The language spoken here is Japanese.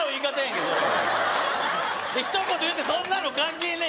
けそれひと言言って「そんなの関係ねぇ」